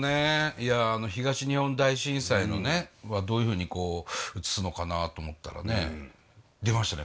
いや東日本大震災はどういうふうに映すのかなと思ったらね出ましたね